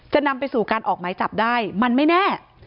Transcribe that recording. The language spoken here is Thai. นำไปสู่การออกหมายจับได้มันไม่แน่